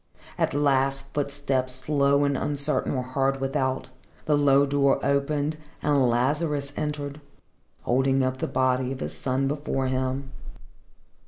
At last footsteps, slow and uncertain, were heard without, the low door opened, and Lazarus entered, holding up the body of his son before him.